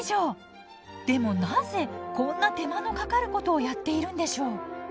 でもなぜこんな手間のかかることをやっているんでしょう。